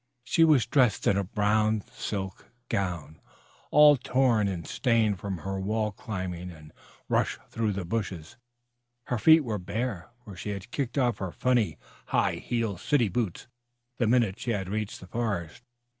She was dressed in a brown silk gown, all torn and stained from her wall climbing and rush through the bushes. Her feet were bare, for she had kicked off her funny high heeled city boots the minute she had reached the forest.